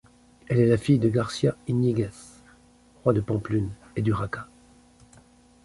Elle est fille de García Íñiguez, roi de Pampelune et d'Urraca.